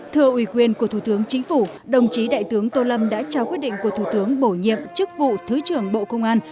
thưa ủy quyền của thủ tướng chính phủ đồng chí đại tướng tô lâm đã trao quyết định của thủ tướng bổ nhiệm chức vụ thứ trưởng bộ công an